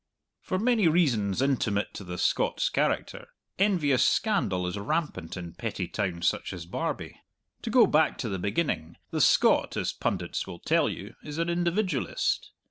For many reasons intimate to the Scot's character, envious scandal is rampant in petty towns such as Barbie. To go back to the beginning, the Scot, as pundits will tell you, is an individualist.